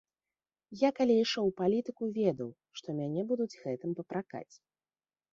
Я калі ішоў ў палітыку, ведаў, што мяне будуць гэтым папракаць.